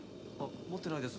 持ってないです。